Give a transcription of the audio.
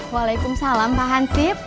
waalaikumsalam pak hansip